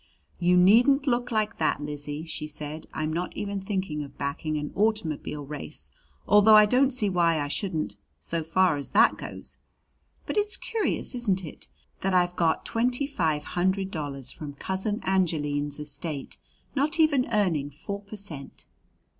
"You needn't look like that, Lizzie," she said. "I'm not even thinking of backing an automobile race although I don't see why I shouldn't, so far as that goes. But it's curious, isn't it, that I've got twenty five hundred dollars from Cousin Angeline's estate not even earning four per cent?"